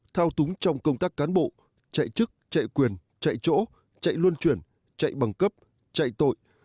thao túng trong công tác cán bộ chạy chức chạy quyền chạy chỗ chạy luân chuyển chạy bằng cấp chạy tội